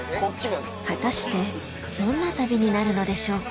果たしてどんな旅になるのでしょうか？